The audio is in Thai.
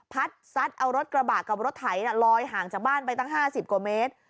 ซัดเอารถกระบะกับรถไถลอยห่างจากบ้านไปตั้ง๕๐กว่าเมตร